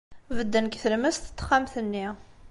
Bedden deg tlemmast n texxamt-nni.